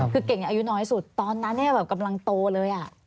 คือเก่งอายุน้อยสุดตอนนั้นกำลังโตเลย